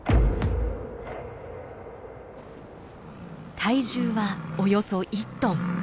体重はおよそ１トン。